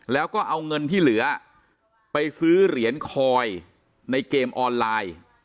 แล้วก็เอาเงินที่เหลือไปซื้อเหรียญคอยในเกมออนไลน์